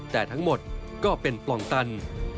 แต่ทั้งหมดก็เป็นปล่องตัน